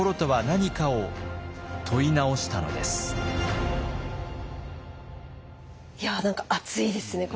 いや何か熱いですね